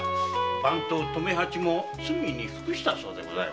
番頭の留八も罪に服したそうでございます。